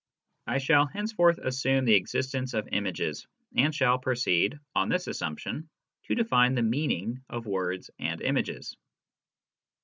I shall henceforth assume the existence of images, and shall proceed, on this assumption, to define the " meaning " of words and images.